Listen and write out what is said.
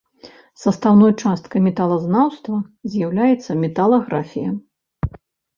Састаўной частка металазнаўства з'яўляецца металаграфія.